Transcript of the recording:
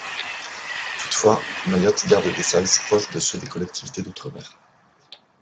Toutefois, Mayotte garde des services proches de ceux des collectivités d'outre-mer.